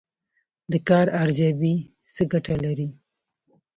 د کار ارزیابي څه ګټه لري؟